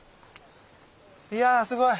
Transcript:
いやすごい！